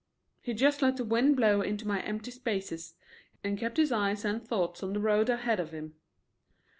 He just let the wind blow into my empty spaces and kept his eyes and thoughts on the road ahead of him.